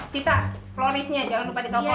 sita floristnya jangan lupa di telfon